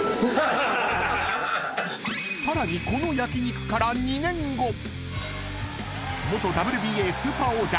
［さらにこの焼き肉から２年後］